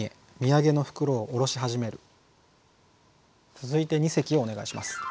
続いて二席お願いします。